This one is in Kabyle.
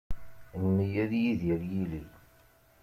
Mmi ad yidir yili.